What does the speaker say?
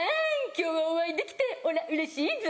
今日はお会いできておらうれしいぞ！。